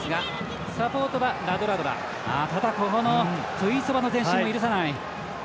テュイソバの前進も許さない。